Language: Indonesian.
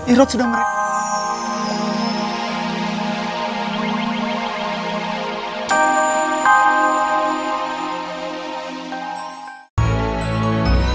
irod sudah merek